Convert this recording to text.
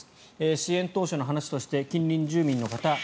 支援当初の話として近隣住民の方。